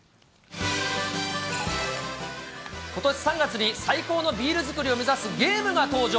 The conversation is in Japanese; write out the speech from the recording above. ことし３月に最高のビール造りを目指すゲームが登場。